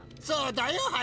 そうだよ